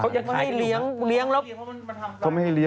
เค้าก็ไม่ให้เลี้ยงเลี้ยงแล้ว